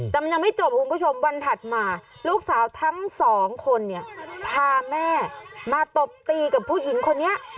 แต่มันยังไม่จบคุณผู้ชมวันถัดมาลูกสาวทั้งสองคนเนี่ยพาแม่มาตบตีกับผู้หญิงคนนี้